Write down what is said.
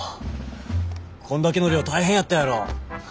こんだけの量大変やったやろ。